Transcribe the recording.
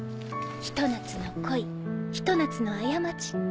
ひと夏の恋ひと夏の過ち。